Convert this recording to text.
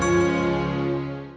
ntar di manila